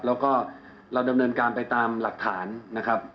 แล้วก็เราดำเนินการไปตามหลักฐานนะครับ